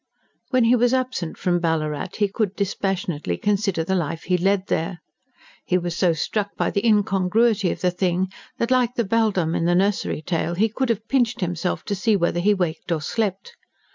When he was absent from Ballarat, and could dispassionately consider the life he led there, he was so struck by the incongruity of the thing that, like the beldame in the nursery tale, he could have pinched himself to see whether he waked or slept.